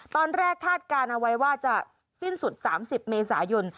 ตอนแรกทาสการเอาไว้ว่าจะสิ้นสุดสามสิบเมษายน